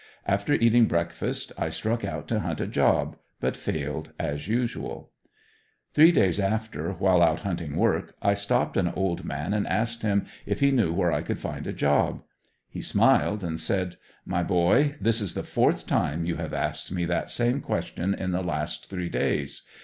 After eating breakfast, I struck out to hunt a job, but failed as usual. Three days after, while out hunting work, I stopped an old man and asked him if he knew where I could find a job? He smiled and said: "My boy this is the fourth time you have asked me that same question in the last three days.